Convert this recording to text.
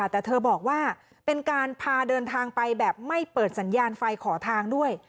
แต่เธอบอกว่าเป็นการพาเดินทางไปแบบไม่เปิดสัญญาณไฟขอทางด้วย